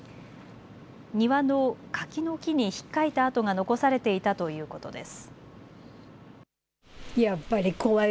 庭の柿の木にひっかいた痕が残されていたということです。